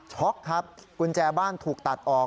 ช็อกครับกุญแจบ้านถูกตัดออก